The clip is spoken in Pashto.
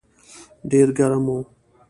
ډېر ګرم و.